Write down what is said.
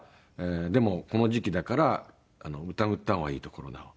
でもこの時期だから疑った方がいい」とコロナを。